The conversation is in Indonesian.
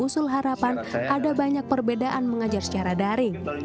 sulharapan ada banyak perbedaan mengajar secara daring